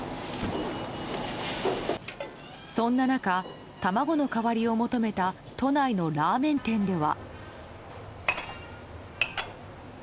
そんな中、卵の代わりを求めた都内のラーメン店では。